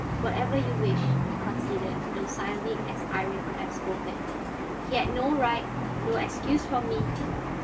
"Whatever you wish," he conceded, docilely as Iría could have spoken. "He had no right, no excuse from me.